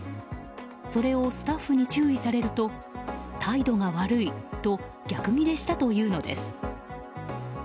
それをスタッフに注意されると態度が悪いと逆ギレしたというのです。